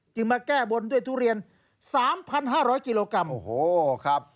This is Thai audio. มาแก้บนด้วยทุเรียน๓๕๐๐กิโลกรัมโอ้โหครับ